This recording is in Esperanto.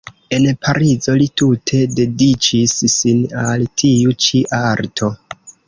En Parizo li tute dediĉis sin al tiu ĉi arto.